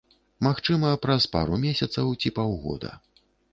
Магчыма, праз пару месяцаў, ці паўгода.